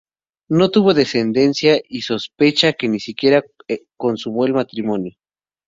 No tuvo descendencia, y se sospecha que ni siquiera consumó el matrimonio.